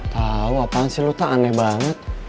tau apaan sih lo tak aneh banget